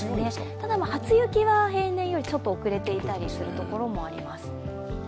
ただ初雪は平年よりちょっと遅れていたりするところもあります。